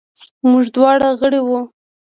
موږ دواړه غړي وو.